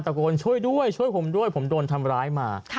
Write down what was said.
โกนช่วยด้วยช่วยผมด้วยผมโดนทำร้ายมา